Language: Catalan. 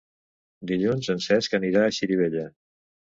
Dilluns en Cesc anirà a Xirivella.